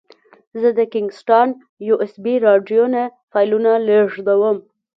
زه د کینګ سټان یو ایس بي ډرایو نه فایلونه لېږدوم.